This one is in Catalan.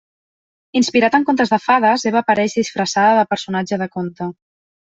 Inspirat en contes de fades, Eva apareix disfressada de personatge de conte.